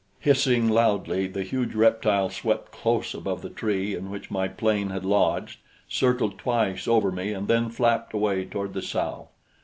Hissing loudly, the huge reptile swept close above the tree in which my plane had lodged, circled twice over me and then flapped away toward the south.